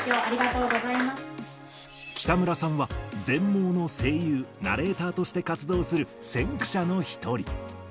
北村さんは、全盲の声優、ナレーターとして活動する、先駆者の一人。